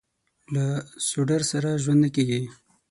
له سوډرسره ژوند نه کېږي.